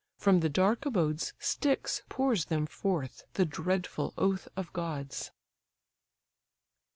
from the dark abodes Styx pours them forth, the dreadful oath of gods!